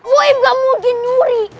buem gak mungkin nyuri